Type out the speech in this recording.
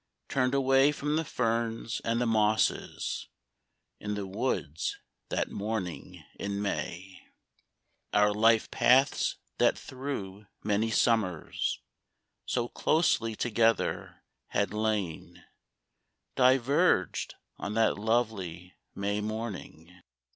Turned away from the ferns and the mosses In the woods that morning in May. Our life paths that through many summers So closely together had lain Diverged on that lovely May morning.